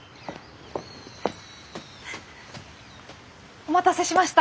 お待たせしました！